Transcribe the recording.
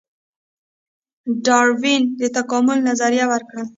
ډاروین د تکامل نظریه ورکړه